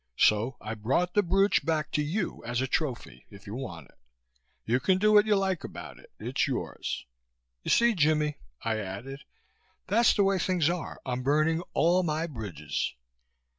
So I brought the brooch back to you as a trophy, if you want it. You can do what you like about it. It's yours. You see, Jimmie," I added, "that's the way things are. I'm burning all my bridges."